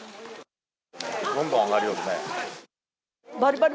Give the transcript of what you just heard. どんどん上がりよるね。